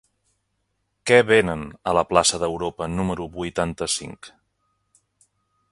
Què venen a la plaça d'Europa número vuitanta-cinc?